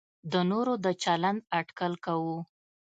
د نورو د چلند اټکل کوو.